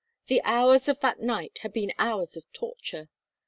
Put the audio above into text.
The hours of that night had been hours of torture.